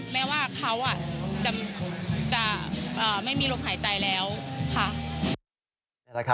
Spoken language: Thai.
แม้ว่าเขาจะไม่มีลมหายใจแล้วค่ะ